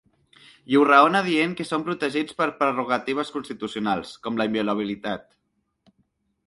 I ho raona dient que són protegits per prerrogatives constitucionals, com la inviolabilitat.